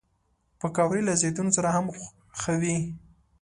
پکورې له زیتون سره هم ښه وي